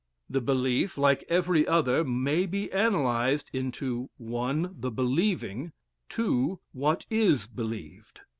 The belief, like every other, may be analysed into (1) the believing, (2) what is believed.